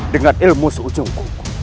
dengan ilmu seujung kuku